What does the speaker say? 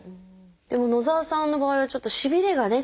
でも野澤さんの場合はちょっとしびれがね